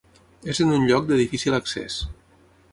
És en un lloc de difícil accés.